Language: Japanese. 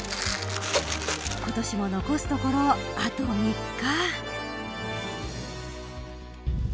今年も残すところ、あと３日。